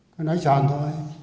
tôi nói tròn thôi